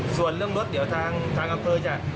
ส่วนเรื่องรถเดี๋ยวทางอำเภอจะ